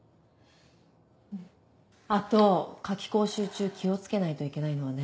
あと夏期講習中気を付けないといけないのはね。